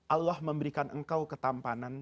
allah memberikan engkau ketampanan